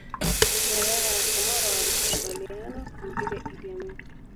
Nyerere na Samora walikubaliana kumpiga Idi Amin